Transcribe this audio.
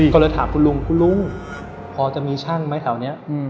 ก็เลยถามคุณลุงคุณลุงพอจะมีช่างไหมแถวนี้